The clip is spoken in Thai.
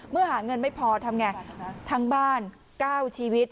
เมื่อหาเงินไม่พอทำไงทั้งบ้านเก้าชีวิต